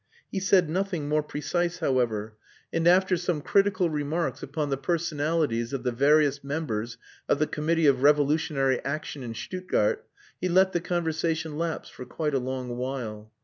He said nothing more precise, however; and after some critical remarks upon the personalities of the various members of the committee of revolutionary action in Stuttgart, he let the conversation lapse for quite a long while.